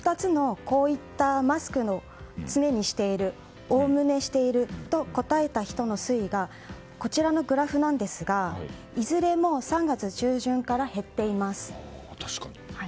２つの、こういったマスクを常ににしているおおむねしているとと答えた人の水位がこちらのグラフなんですがいずれも３月中旬から減っています。